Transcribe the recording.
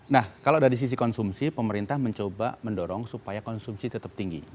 nah kalau dari sisi konsumsi pemerintah mencoba mendorong supaya konsumsi tetap tinggi